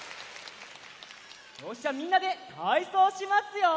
よしじゃあみんなでたいそうしますよ！